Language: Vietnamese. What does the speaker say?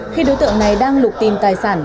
khi đối tượng này đang lục tìm tài sản